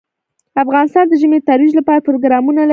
افغانستان د ژمی د ترویج لپاره پروګرامونه لري.